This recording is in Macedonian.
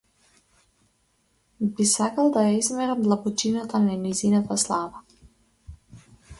Би сакал да ја измерам длабочината на нејзината слава.